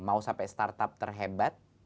mau sampai startup terhebat